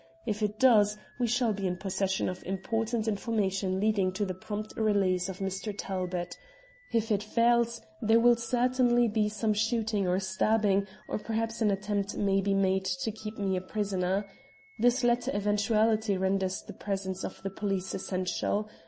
If it does, we shall be in possession of important information leading to the prompt release of Mr. Talbot. If it fails, there will certainly be some shooting or stabbing, or perhaps an attempt may be made to keep me a prisoner. This latter eventuality renders the presence of the police essential.